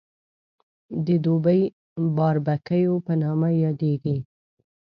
د دوبۍ باربکیو په نامه یادېږي.